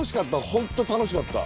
本当楽しかった。